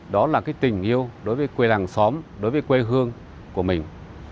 đó là tình yêu đối với quê hàng xóm đối với quê hương của mình